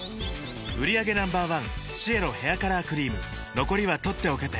売上№１シエロヘアカラークリーム残りは取っておけて